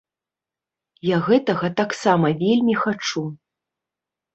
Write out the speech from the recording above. Я гэтага таксама вельмі хачу.